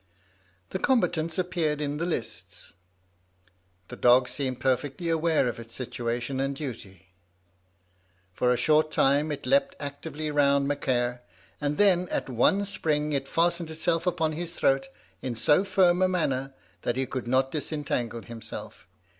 The combatants appeared in the lists. The dog seemed perfectly aware of its situation and duty. For a short time it leapt actively round Macaire, and then, at one spring, it fastened itself upon his throat, in so firm a manner that he could not disentangle himself.